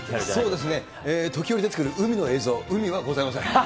そうですね、時折出てくる海の映像、海はございません。